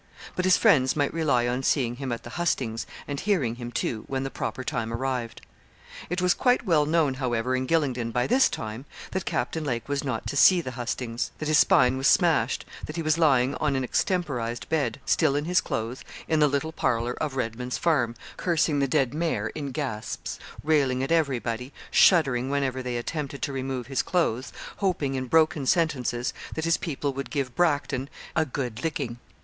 But his friends might rely on seeing him at the hustings, and hearing him too, when the proper time arrived.' It was quite well known, however, in Gylingden, by this time, that Captain Lake was not to see the hustings that his spine was smashed that he was lying on an extemporised bed, still in his clothes, in the little parlour of Redman's Farm cursing the dead mare in gasps railing at everybody shuddering whenever they attempted to remove his clothes hoping, in broken sentences, that his people would give Bracton and good licking.